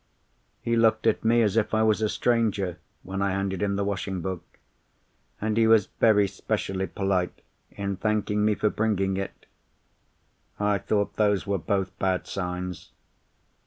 "He looked at me as if I was a stranger, when I handed him the washing book; and he was very specially polite in thanking me for bringing it. I thought those were both bad signs.